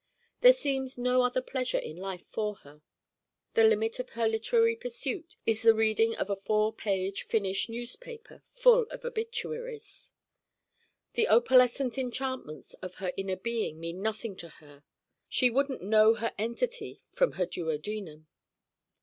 There seems no other pleasure in life for her. The limit of her literary pursuit is the reading of a four page Finnish newspaper full of obituaries. The opalescent enchantments of her inner being mean nothing to her: she wouldn't know her entity from her duodenum.